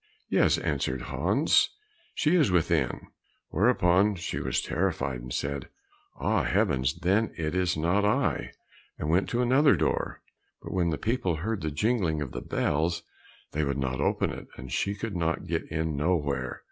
"Yes," answered Hans, "she is within." Hereupon she was terrified, and said, "Ah, heavens! Then it is not I," and went to another door; but when the people heard the jingling of the bells they would not open it, and she could get in nowhere.